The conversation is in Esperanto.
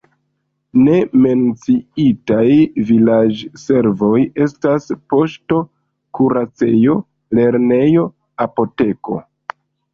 Ne menciitaj vilaĝservoj estas poŝto, kuracejo, lernejo, apoteko.